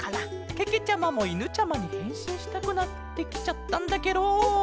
けけちゃまもいぬちゃまにへんしんしたくなってきちゃったんだケロ。